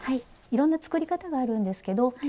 いろんな作り方があるんですけど今日はね